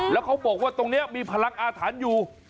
แล้วเขาบอกว่าตรงนี้มีพลังอาถรรพ์อยู่